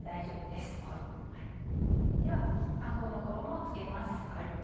ではパン粉の衣を付けます。